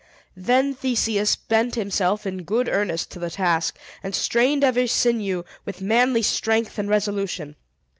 Then Theseus bent himself in good earnest to the task, and strained every sinew, with manly strength and resolution.